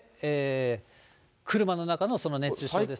車の中の熱中症ですが。